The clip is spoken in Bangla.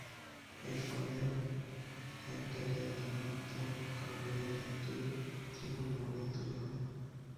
এর ফলে হ্যাঙ্কেলের ধনাত্মক কার্নেলের একটি "ত্রিকোণ মডেল" তৈরি হয়।